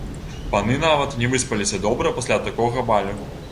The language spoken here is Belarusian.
Паны нават не выспаліся добра пасля такога балю.